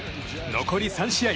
残り３試合。